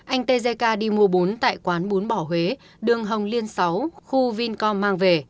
anh tzk đi mua bún tại quán bún bỏ huế đường hồng liên sáu khu vincom mang về